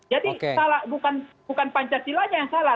jadi bukan pancasilanya yang salah